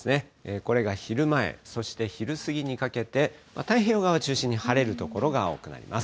これが昼前、そして昼過ぎにかけて、太平洋側を中心に晴れる所が多くなります。